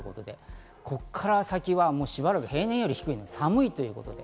ここから先はしばらく平年より低い、寒いということです。